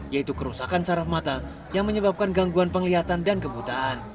yaitu kerusakan sarah mata yang menyebabkan gangguan penglihatan dan kebutaan